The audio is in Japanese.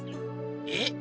えっ？